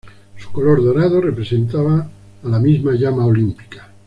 Su color dorado representaba a la misma llama olímpica.